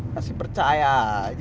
masih percaya aja sih